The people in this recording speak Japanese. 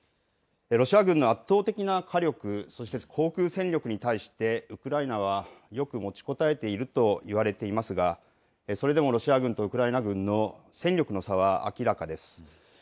ロシア軍の圧倒的なかりょく、そして航空戦力に対して、ウクライナはよく持ちこたえているといわれていますが、それでもロシア軍とウクライナ軍の戦力の差は明らかです。